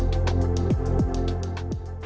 jadi kita bisa membuatnya lebih mudah